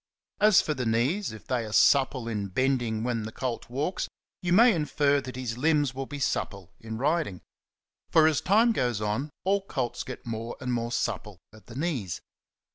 As for the knees, if they are supple in bending when the colt walks, you may infer that his limbs will be supple in riding; for as time goes on, all colts get more and more supple at the knees.